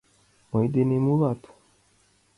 Мый денем улат.